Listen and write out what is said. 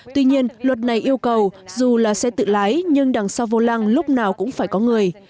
tuy nhiên luật này yêu cầu dù là xe tự lái nhưng đằng sau vô lăng lúc nào cũng phải có người